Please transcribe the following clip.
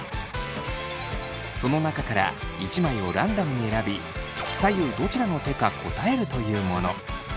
その中から１枚をランダムに選び左右どちらの手か答えるというもの。